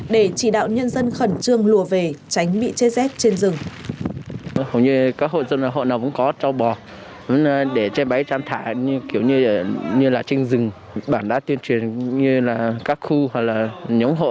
để chỉ đạo nhân dân khẩn trương lùa về tránh bị chết rét trên rừng